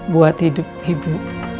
buat hidup ibu